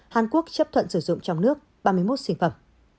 hàn quốc chấp thuận sử dụng trong nước ba mươi một sinh phẩm